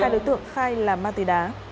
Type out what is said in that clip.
hai đối tượng khai là ma túy đá